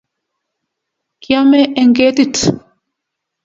kiame eng ketit